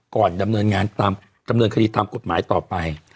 ดำเนินงานดำเนินคดีตามกฎหมายต่อไป